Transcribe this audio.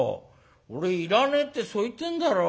俺いらねえってそう言ってんだろ。